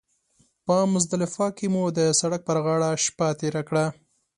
په مزدلفه کې مو د سړک پر غاړه شپه تېره کړه.